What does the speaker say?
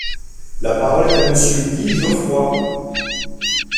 La parole est à Monsieur Guy Geoffroy.